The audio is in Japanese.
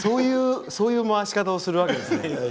そういう回し方をするわけですね。